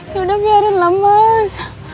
ya udah biarin lah mas